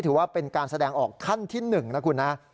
ถือว่าเป็นการแสดงออกขั้นที่๑นะคุณนะ